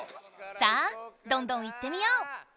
さあどんどんいってみよう！